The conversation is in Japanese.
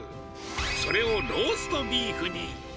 それをローストビーフに。